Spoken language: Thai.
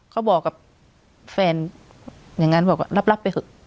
เขาบอกกับแฟนอย่างนั้นบอกว่ารับไปเถอะ